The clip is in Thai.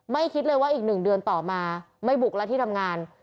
คิดเลยว่าอีก๑เดือนต่อมาไม่บุกแล้วที่ทำงาน